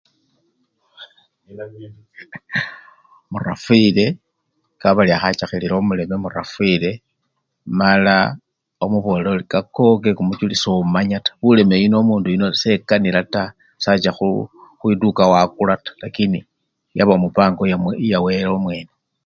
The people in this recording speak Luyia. Murafwire kababari khachakhilila omuleme murafwire mala omubolele ori kakaow kemuchuli somanyata buleme buno omundu oyuno sekanila taa, sacha khwituka wakula taa lakini yaba mupango yamwi! yawele omwene.